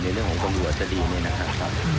ในเรื่องของกระบวนจะดีไหมนะครับ